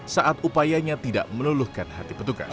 saat upayanya tidak meluluhkan hati petugas